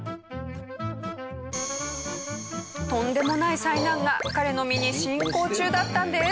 とんでもない災難が彼の身に進行中だったんです。